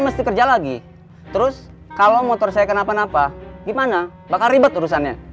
mesti kerja lagi terus kalau motor saya kenapa napa gimana bakal ribet urusannya